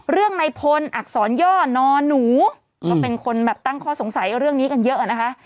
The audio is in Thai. ในพลอักษรย่อนอนอหนูก็เป็นคนแบบตั้งข้อสงสัยเรื่องนี้กันเยอะนะคะ